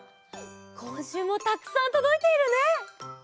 こんしゅうもたくさんとどいているね！